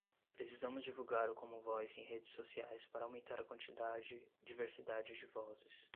Precisamos divulgar o commonvoice em redes sociais para aumentar a quantidade, diversidade de vozes